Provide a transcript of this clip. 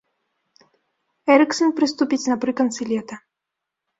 Эрыксан прыступіць напрыканцы лета.